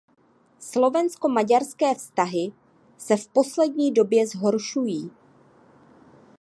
Slovensko-maďarské vztahy se v poslední době zhoršují.